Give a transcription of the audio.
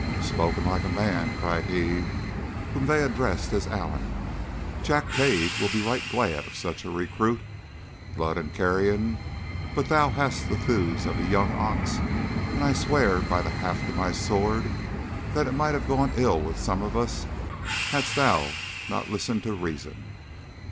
"'Spoken like a man!' cried he whom they addressed as Allen. 'Jack Cade will be right glad of such a recruit. Blood and carrion! but thou hast the thews of a young ox; and I swear, by the haft of my sword, that it might have gone ill with some of us hadst thou not listened to reason!